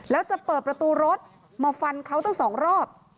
แล้วจะเปิดประตูรถมาฟันเขาตั้งสองรอบ